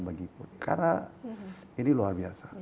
karena ini luar biasa